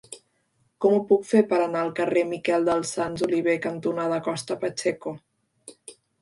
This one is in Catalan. Com ho puc fer per anar al carrer Miquel dels Sants Oliver cantonada Costa Pacheco?